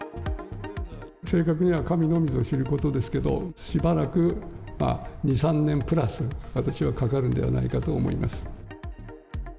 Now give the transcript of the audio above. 正確には神のみぞ知ることですけれども、しばらく、２、３年プラス、私はかかるんではないかと思います。